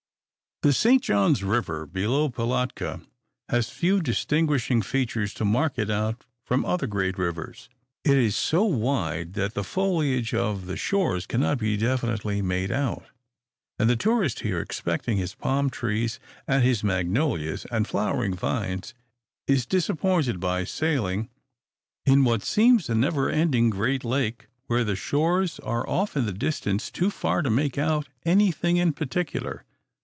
The St. John's River below Pilatka has few distinguishing features to mark it out from other great rivers. It is so wide, that the foliage of the shores cannot be definitely made out; and the tourist here, expecting his palm trees and his magnolias and flowering vines, is disappointed by sailing in what seems a never ending great lake, where the shores are off in the distance too far to make out any thing in particular.